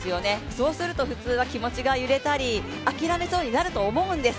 そうすると気持ちをおとしたり、諦めそうになると思うんです。